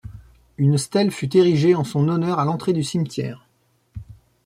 Une stèle fut érigée en son honneur à l'entrée du cimetière.